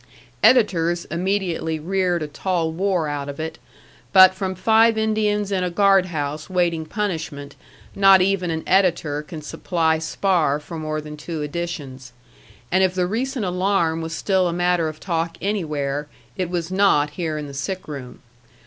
Editors immediately reared a tall war out of it; but from five Indians in a guard house waiting punishment not even an editor can supply spar for more than two editions, and if the recent alarm was still a matter of talk anywhere, it was not here in the sick room.